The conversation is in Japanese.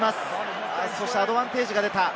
そしてアドバンテージが出た。